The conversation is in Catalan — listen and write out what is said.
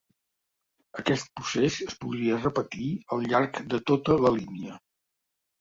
Aquest procés es podria repetir al llarg de tota la línia.